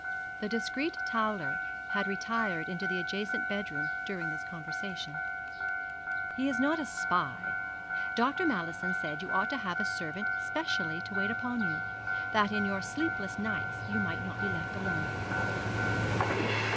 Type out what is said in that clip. The discreet Towler had retired into the adjacent bedroom during this conversation. 'He is not a spy. Dr. Mallison said you ought to have a servant specially to wait upon you, that in your sleepless nights you might not be left alone.'